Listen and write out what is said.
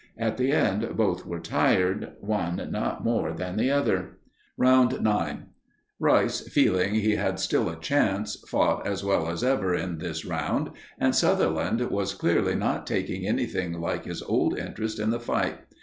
At the end both were tired, one not more than the other. Round 9. Rice, feeling he had still a chance, fought as well as ever in this round, and Sutherland was clearly not taking anything like his old interest in the fight.